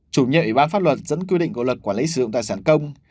chủ nhiệm ủy ban pháp luật dẫn quy định của luật quản lý sử dụng tài sản công